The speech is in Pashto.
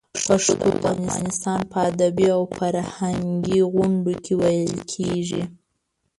پښتو د افغانستان په ادبي او فرهنګي غونډو کې ویلې کېږي.